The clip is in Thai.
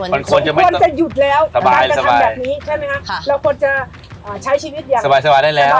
มันควรจะหยุดแล้วการกระทำแบบนี้ใช่ไหมคะเราควรจะใช้ชีวิตอย่างสบายได้แล้ว